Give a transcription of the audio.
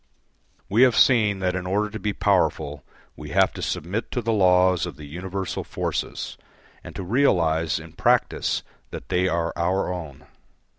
We have seen that in order to be powerful we have to submit to the laws of the universal forces, and to realise in practice that they are our own.